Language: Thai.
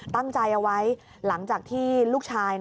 ตั้งใจเอาไว้หลังจากที่ลูกชาย